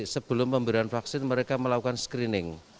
sebelum pemberian vaksin mereka melakukan screening